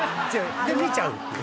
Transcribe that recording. で見ちゃうっていう。